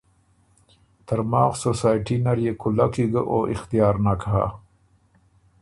ترماخ سوسائټي نر يې کُولک کی ګۀ او اختیار نک هۀ